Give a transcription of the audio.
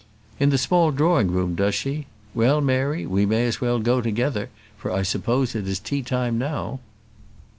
"In the small drawing room, does she? Well, Mary, we may as well go together, for I suppose it is tea time now."